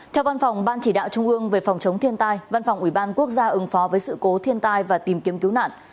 theo văn phòng ban chỉ đạo trung ương về phòng chống thiên tai văn phòng ủy ban quốc gia ứng phó với sự cố thiên tai và tìm kiếm cứu nạn